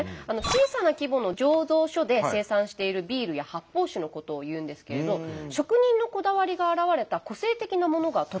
小さな規模の醸造所で生産しているビールや発泡酒のことをいうんですけれど職人のこだわりが表れた個性的なものがとっても多いんですね。